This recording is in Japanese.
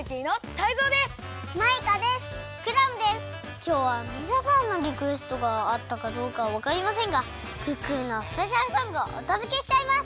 きょうはみなさんのリクエストがあったかどうかわかりませんがクックルンのスペシャルソングをおとどけしちゃいます！